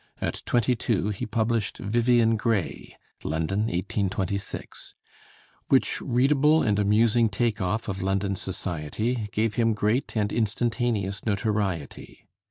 At twenty two he published 'Vivian Grey' (London, 1826), which readable and amusing take off of London society gave him great and instantaneous notoriety.